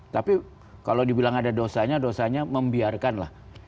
tapi kalau dibilang ada dosanya dosanya membiarkan lah